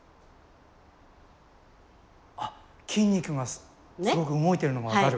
あっ筋肉がすごく動いてるのが分かる。